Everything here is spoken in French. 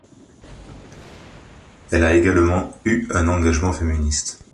Elle a également eu un engagement féministe.